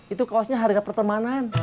itu kaosnya harga pertemanan